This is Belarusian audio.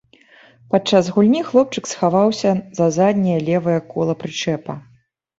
Падчас гульні хлопчык схаваўся за задняе левае кола прычэпа.